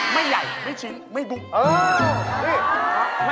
ไม่ใหญ่ไม่ชิ้นไม่บุ๊บ